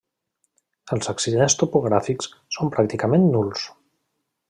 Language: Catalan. Els accidents topogràfics són pràcticament nuls.